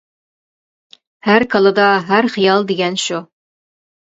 ھەر كاللىدا ھەر خىيال دېگەن شۇ.